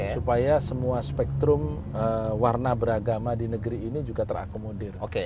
supaya semua spektrum warna beragama di negeri ini juga terakomodir